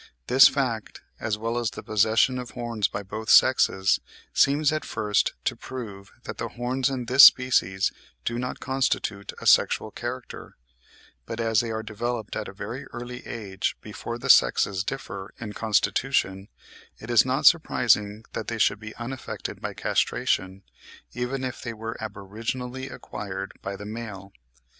This fact, as well as the possession of horns by both sexes, seems at first to prove that the horns in this species do not constitute a sexual character (17. This is the conclusion of Seidlitz, 'Die Darwinsche Theorie,' 1871, p. 47.); but as they are developed at a very early age, before the sexes differ in constitution, it is not surprising that they should be unaffected by castration, even if they were aboriginally acquired by the male.